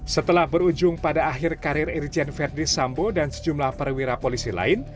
setelah berujung pada akhir karir irjen verdi sambo dan sejumlah perwira polisi lain